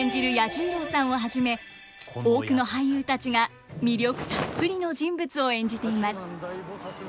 彌十郎さんをはじめ多くの俳優たちが魅力たっぷりの人物を演じています。